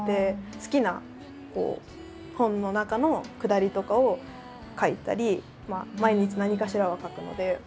好きな本の中のくだりとかを書いたり毎日何かしらは書くので。